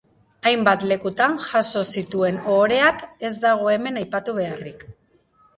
Hainbat lekutan jaso zituen ohoreak ez dago hemen aipatu beharrik.